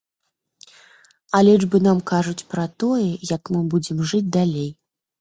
А лічбы нам кажуць пра тое, як мы будзем жыць далей.